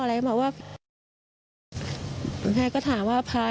อยู่ดีมาตายแบบเปลือยคาห้องน้ำได้ยังไง